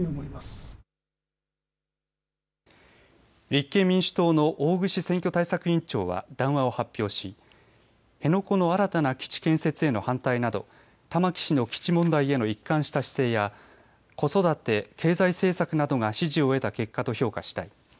立憲民主党の大串選挙対策委員長は、談話を発表し辺野古の新たな基地建設への反対など、玉城氏の基地問題への一貫した姿勢や子育て経済政策などが支持を得た結果と評価したい。